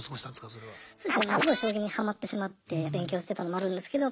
すごい将棋にハマってしまって勉強してたのもあるんですけど